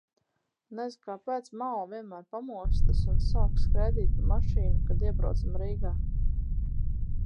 Nez kāpēc Mao vienmēr pamostas un sāk skraidīt pa mašīnu, kad iebraucam Rīgā?